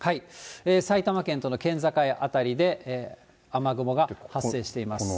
埼玉県との県境辺りで、雨雲が発生しています。